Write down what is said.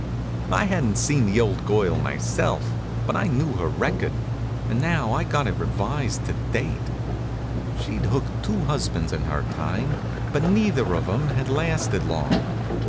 I hadn't seen the old girl myself, but I knew her record, and now I got it revised to date. She'd hooked two husbands in her time, but neither of 'em had lasted long.